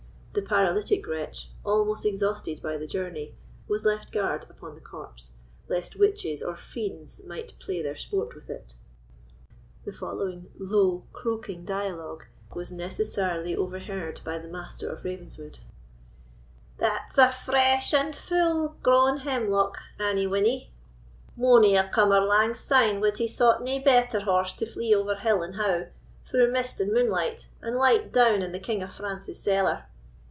The paralytic wretch, almost exhausted by the journey, was left guard upon the corpse, lest witches or fiends might play their sport with it. The following law, croaking dialogue was necessarily overheard by the Master of Ravenswood: "That's a fresh and full grown hemlock, Annie Winnie; mony a cummer lang syne wad hae sought nae better horse to flee over hill and how, through mist and moonlight, and light down in the King of France's cellar."